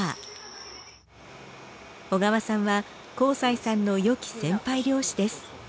小川さんは幸才さんの良き先輩漁師です。